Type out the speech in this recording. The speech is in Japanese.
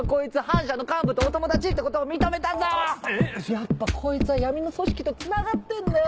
やっぱこいつは闇の組織とつながってんだよ！